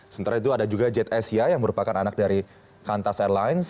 sementara itu ada juga jet asia yang merupakan anak dari kantas airlines